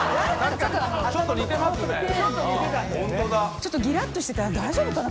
ちょっとギラッとしてて大丈夫かな